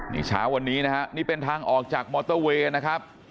นี่เช้าวันนี้นะฮะนี่เป็นทางออกจากมอเตอร์เวย์นะครับ